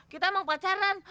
kita emang pacaran